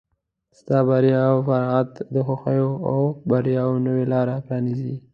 ستا بریا او فارغت د خوښیو او بریاوو نوې لاره پرانیزي.